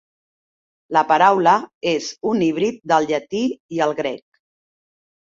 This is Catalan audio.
La paraula és un híbrid del llatí i el grec.